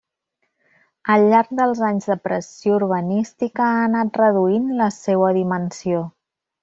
Al llarg dels anys de pressió urbanística ha anat reduint la seua dimensió.